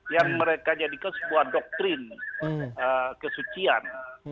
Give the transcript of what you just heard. yang mereka jadikan sebuah doktrin kesucian